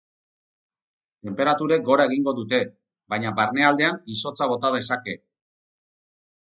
Tenperaturek gora egingo dute, baina barnealdean izotza bota dezake.